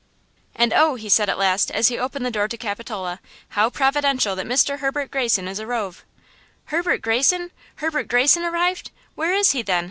"And oh!" he said, at last, as he opened the door to Capitola, "how providential that Mr. Herbert Greyson is arrove!" "Herbert Greyson! Herbert Greyson arrived! Where is he, then?"